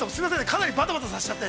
かなりばたばたさせちゃって。